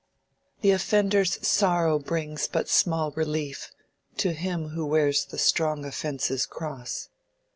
"The offender's sorrow brings but small relief To him who wears the strong offence's cross."